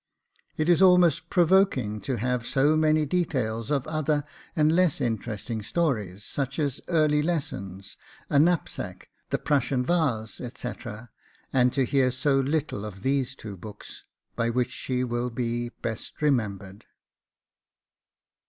It is almost provoking to have so many details of other and less interesting stories, such as EARLY LESSONS, A KNAPSACK, THE PRUSSIAN VASE, etc., and to hear so little of these two books by which she will be best remembered.